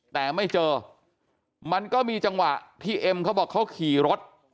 แต่ไม่เจอมันก็มีจังหวะที่เอ็มเขาบอกเขาขี่รถ